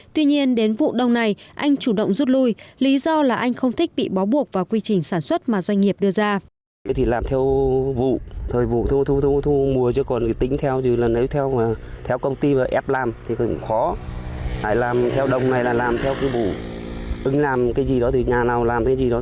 tuy nhiên đến vụ đông này anh chủ động rút lui lý do là anh không thích bị bó buộc vào quy trình sản xuất mà doanh nghiệp đưa ra